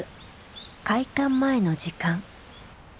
開館前の時間。